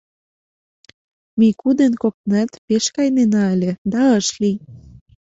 Мику дене коктынат пеш кайынена ыле, да ыш лий.